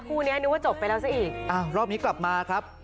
คู่นี้นึกว่าจบไปแล้วซะอีกอ้าวรอบนี้กลับมาครับ